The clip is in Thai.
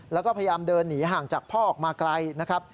แล้วก็พยายามเดินหนีห่างจากพ่อออกมาไกลนะครับ